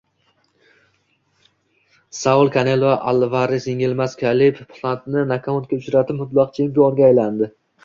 Saul Kanelo Alvares yengilmas Kaleb Plantni nokautga uchratib, mutlaq chempionga aylandi